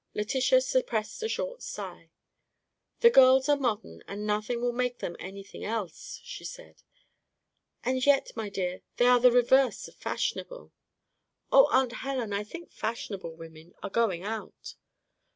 Letitia suppressed a short sigh. "The girls are modern, and nothing will make them anything else," she said. "And yet, my dear, they are the reverse of fashionable." "Oh, Aunt Helen, I think fashionable women are going out."